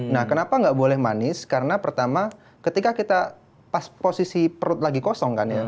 nah kenapa nggak boleh manis karena pertama ketika kita pas posisi perut lagi kosong kan ya